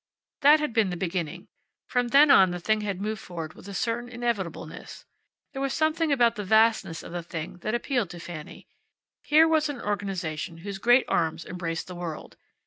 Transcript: That had been the beginning. From then on the thing had moved forward with a certain inevitableness. There was something about the vastness of the thing that appealed to Fanny. Here was an organization whose great arms embraced the world.